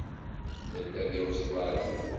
Nella deg Ustṛalya.